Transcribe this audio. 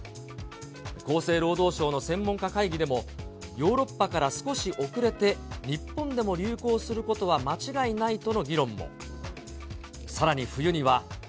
厚生労働省の専門家会議でも、ヨーロッパから少し遅れて、日本でも流行することは間違いないとの議論も。